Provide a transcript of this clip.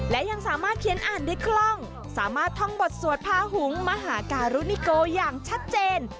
และยังสามารถเขียนอ่านได้คล่องสามารถท่องบทสวดพาหุงมหาการุณิโกอย่างชัดเจน